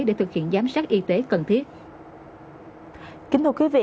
để thực hiện giám sát y tế cần thiết